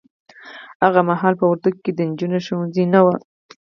هغه محال په وردګو کې د نجونو ښونځي نه وه